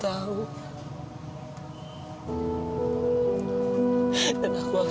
tapi sekarang aku tahu